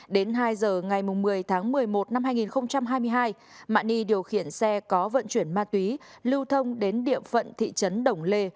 đến hai giờ ngày một mươi tháng một mươi một năm hai nghìn hai mươi hai mạ ni điều khiển xe có vận chuyển ma túy lưu thông đến địa phận thị trấn đồng lê